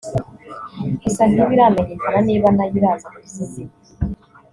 gusa ntibiramenyekana niba nayo iraza kuzizimya